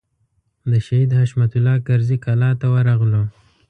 د شهید حشمت الله کرزي کلا ته ورغلو.